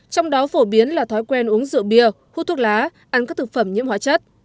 trong đó phổ biến là thói quen uống rượu bia hút thuốc lá ăn các thực phẩm nhiễm hóa chất